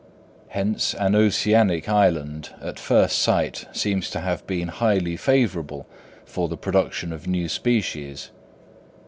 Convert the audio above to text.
Hence an oceanic island at first sight seems to have been highly favourable for the production of new species.